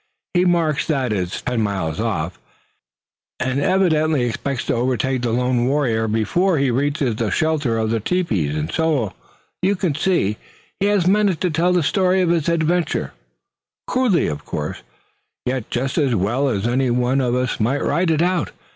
He marks that as ten miles off, and evidently expects to overtake the lone warrior before he reaches the shelter of the tepees. And so you see he has managed to tell the story of his adventure, crudely of course, yet just as well as any one of us might write it out.